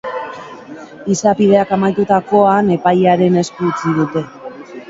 Izapideak amaitutakoan, epailearen esku utzi dute.